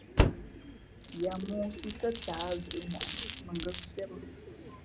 Ya mōō sǐ kάtǎh zʉ̄ʼŋwαʼni mα ngα̌ síé bᾱ.